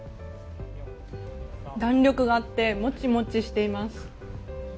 弾力があってもちもちしています。